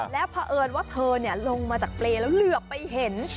และพอเอิญว่าเธอเนี่ยลงมาจากเปรย์แล้วเหลือไปเห็น